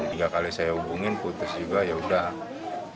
tiga kali saya hubungin putus juga yaudah